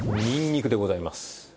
にんにくでございます。